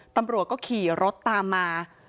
ตำรวจก็ขี่รถตามมา